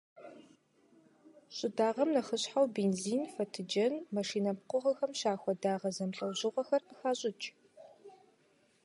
ЩӀыдагъэм нэхъыщхьэу бензин, фэтыджэн, машинэ пкъыгъуэхэм щахуэ дагъэ зэмылӀэужьыгъуэхэр къыхащӀыкӀ.